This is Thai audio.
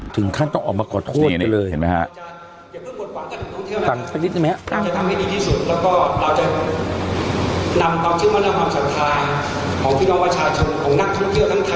ถึงขั้นต้องออกมาขอโทษเลยนี่เห็นไหมฮะ